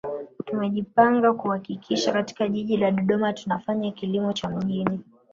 Tumejipanga kuhakikisha katika Jiji la Dodoma tunafanya kilimo cha mjini